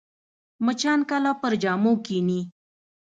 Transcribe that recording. مچان کله پر جامو کښېني